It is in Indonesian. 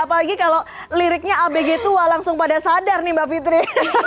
apalagi kalau liriknya abg tua langsung pada sadar nih mbak fitri